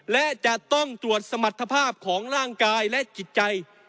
และจะต้องตรวจสมรรถภาพของร่างกายและจิตใจ